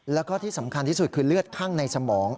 แล้วก็ที่สำคัญที่สุดคือเลือดข้างในสมอง